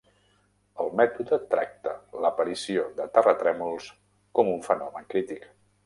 El mètode tracta l'aparició de terratrèmols com un fenomen crític.